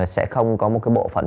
sẽ không có một cái bộ phận